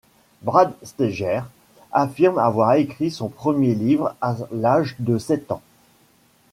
Brad Steiger affirme avoir écrit son premier livre à l'âge de sept ans.